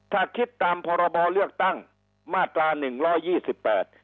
ถ้าคิดตามพรบเลือกตั้งมาตราหนึ่งร้อยยี่สิบแปด